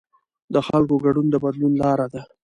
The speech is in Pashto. د خلکو ګډون د بدلون لاره ده